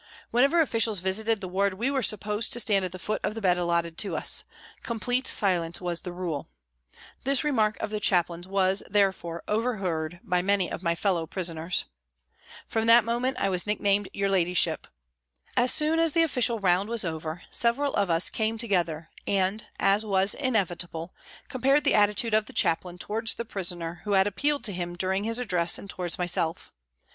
Whenever officials visited the ward we were supposed each to stand at the foot of the bed allotted to us. Complete silence was the rule. This remark of the Chaplain's was, therefore, overheard by many of my fellow prisoners. From that moment I was nick named 122 PRISONS AND PRISONERS " your ladyship." As soon as the official round was over several of us came together and, as was inevit able, compared the attitude of the Chaplain towards the prisoner who had appealed to him during his address and towards myself.